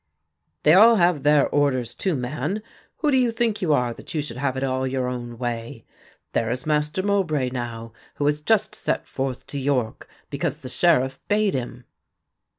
"They all have their orders too, man; who do you think you are that you should have it all your own way? There is Master Mowbray, now, who has just set forth to York, because the Sheriff bade him."